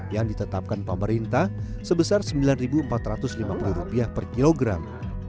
yang ditetapkan pemerintah sebesar rp sembilan empat ratus lima puluh per kilogram